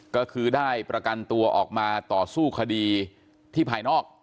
ก็คือได้ประกันตัวออกมาต่อสู้คดีที่ภายนอก